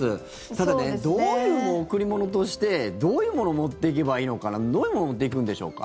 ただね、贈り物としてどういうものを持っていけばいいのかな。どういうものを持っていくんでしょうか？